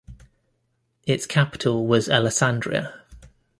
Its capital was Alessandria.